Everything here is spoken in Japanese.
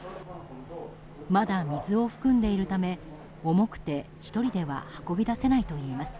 まだ水を含んでいるため重くて１人では運び出せないといいます。